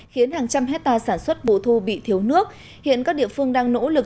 khiến hàng trăm hectare sản xuất bộ thu bị thiếu nước hiện các địa phương đang nỗ lực